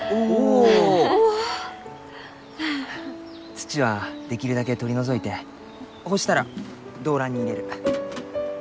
土はできるだけ取り除いてほうしたら胴乱に入れる。